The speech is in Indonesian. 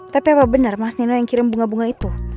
tapi apa benar mas nino yang kirim bunga bunga itu